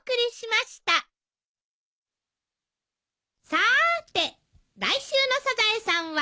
さーて来週の『サザエさん』は？